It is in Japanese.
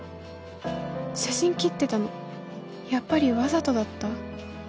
写真切ってたのやっぱりわざとだった？